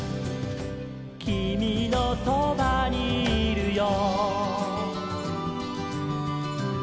「きみのそばにいるよ」